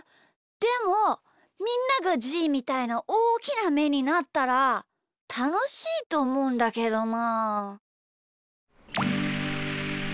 でもみんながじーみたいなおおきなめになったらたのしいとおもうんだけどな。